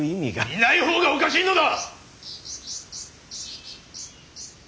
いない方がおかしいのだ！